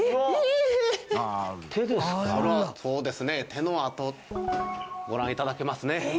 手の跡ご覧頂けますね。